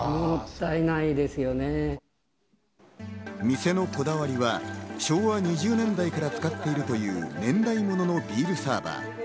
店のこだわりは昭和２０年代から使っている年代物のビールサーバー。